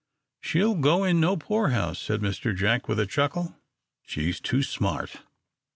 "She'll go in no poorhouse," said Mr. Jack, with a chuckle. "She's too smart."